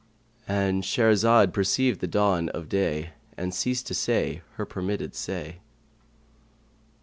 —And Shahrazad perceived the dawn of day and ceased to say her permitted say.